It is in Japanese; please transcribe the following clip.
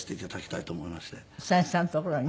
三枝さんのところに。